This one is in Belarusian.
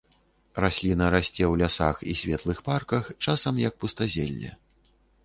Расліна расце ў лясах і светлых парках, часам як пустазелле.